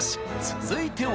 続いては。